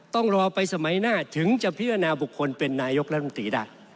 ต้องรอไปสมัยหน้าถึงจะพิจารณาบุคคลเป็นนายกรัฐมนตรีได้